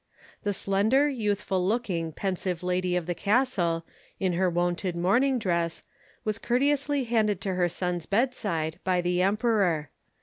The slender, youthful looking, pensive lady of the castle, in her wonted mourning dress, was courteously handed to her son's bedside by the Emperor.